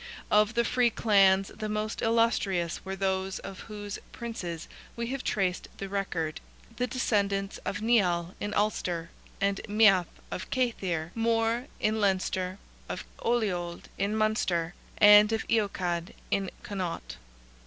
Of the free clans, the most illustrious were those of whose Princes we have traced the record—the descendants of Nial in Ulster and Meath, of Cathaeir More in Leinster, of Oliold in Munster, and of Eochaid in Connaught.